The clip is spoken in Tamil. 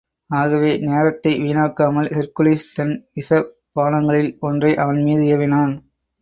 ஆகவே, நேரத்தை வீணாக்காமல், ஹெர்க்குலிஸ் தன் விஷ பாணங்களில் ஒன்றை அவன் மீது ஏவினான்.